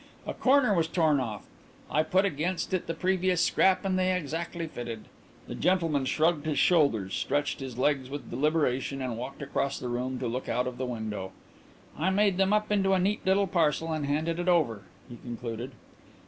A corner was torn off; I put against it the previous scrap and they exactly fitted." The gentleman shrugged his shoulders, stretched his legs with deliberation and walked across the room to look out of the window. "I made them up into a neat little parcel and handed it over," he concluded.